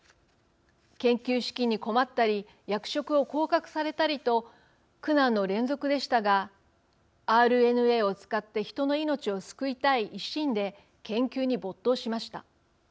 研究資金に困ったり役職を降格されたりと苦難の連続でしたがＲＮＡを使って人の命を救いたい一心で研究に没頭しました。